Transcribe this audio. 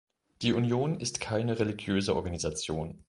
Die Union ist keine religiöse Organisation.